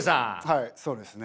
はいそうですね。